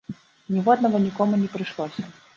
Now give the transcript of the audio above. Ніводнага нікому не прыйшлося.